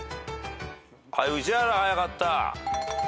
はい宇治原早かった。